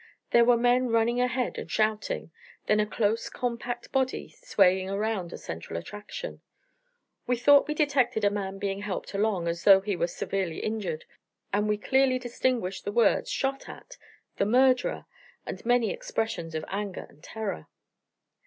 There were men running ahead and shouting; then a close, compact body swaying around a central attraction. We thought we detected a man being helped along as though he were severely injured, and we clearly distinguished the words "Shot at!" "The murderer!" and many expressions of anger and terror.